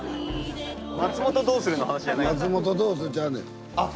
松本どうする？の話じゃなくて。